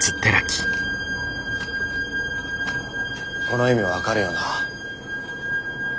この意味分かるよな？